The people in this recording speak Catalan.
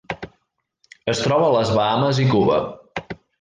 Es troba a les Bahames i Cuba.